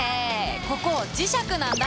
ここ磁石なんだ！